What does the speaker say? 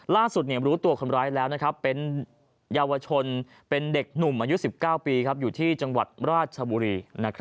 รู้ตัวคนร้ายแล้วเป็นเยาวชนเป็นเด็กหนุ่มอายุ๑๙ปีอยู่ที่จังหวัดราชบุรี